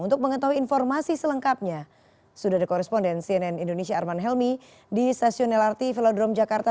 untuk mengetahui informasi selengkapnya sudah ada koresponden cnn indonesia arman helmi di stasiun lrt velodrome jakarta